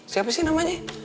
siapa sih namanya